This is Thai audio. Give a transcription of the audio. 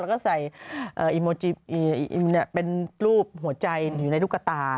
เราก็ใส่โอไมโอร์เป็นรูปหัวใจอยู่ในลูกตา